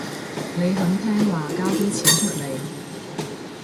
你肯聽話交啲錢出嚟